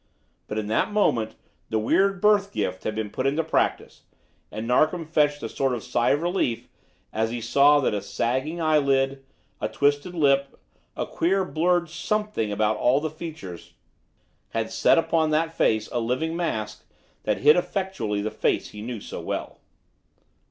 But in that moment the weird birth gift had been put into practice, and Narkom fetched a sort of sigh of relief as he saw that a sagging eyelid, a twisted lip, a queer, blurred something about all the features, had set upon that face a living mask that hid effectually the face he knew so well.